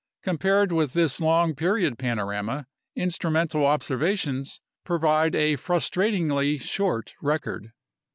Compared with this long period panorama, instrumental observations provide a frustratingly short record.